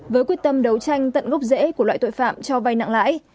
với quyết tâm đấu tranh tận gốc dễ của loại tội phạm cho vai nặng lãi